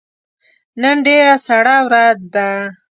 نن ډیره سړه ورځ ده